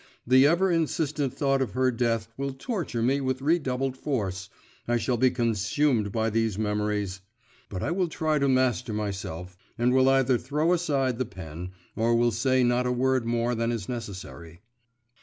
The ever insistent thought of her death will torture me with redoubled force, I shall be consumed by these memories.… But I will try to master myself, and will either throw aside the pen, or will say not a word more than is necessary.